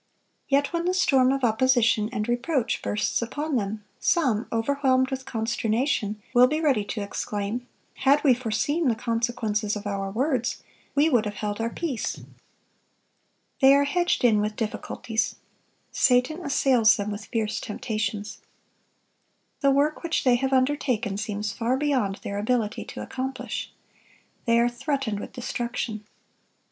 Yet when the storm of opposition and reproach bursts upon them, some, overwhelmed with consternation, will be ready to exclaim, "Had we foreseen the consequences of our words, we would have held our peace." They are hedged in with difficulties. Satan assails them with fierce temptations. The work which they have undertaken seems far beyond their ability to accomplish. They are threatened with destruction.